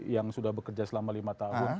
yang sudah bekerja selama lima tahun